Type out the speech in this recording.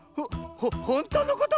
ほほんとうのこと⁉